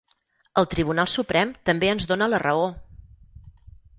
El Tribunal Suprem també ens dóna la raó!